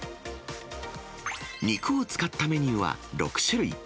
肉を使ったメニューは６種類。